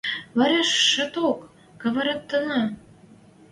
– Вӓрешеток кӓвӓртенӓ!